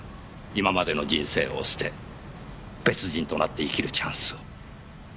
今までの人生を捨て別人となって生きるチャンスを。